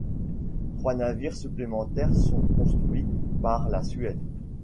Trois navires supplémentaires sont construits par la Suède.